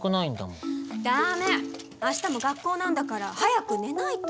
あしたも学校なんだから早く寝ないと。